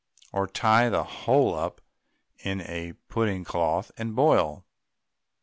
Or tie the whole up in a pudding cloth and boil.